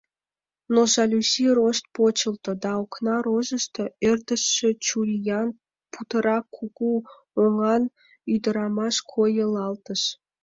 Но жалюзи рошт почылто, да окна рожышто ӧрдышӧ чуриян, путырак кугу оҥан ӱдырамаш койылалтыш.